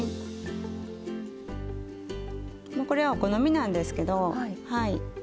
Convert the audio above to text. もうこれはお好みなんですけどはい。